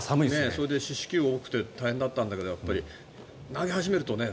それで四死球が多くて大変だったんだけど投げ始めるとね。